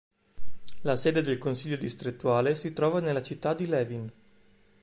La sede del Consiglio distrettuale si trova nella città di Levin.